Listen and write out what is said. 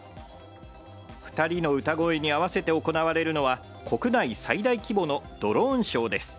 ２人の歌声に合わせて行われるのは、国内最大規模のドローンショーです。